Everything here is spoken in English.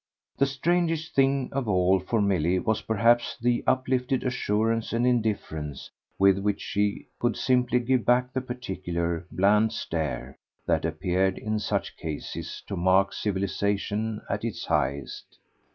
The strangest thing of all for Milly was perhaps the uplifted assurance and indifference with which she could simply give back the particular bland stare that appeared in such cases to mark civilisation at its highest.